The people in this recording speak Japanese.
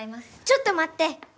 ちょっと待って！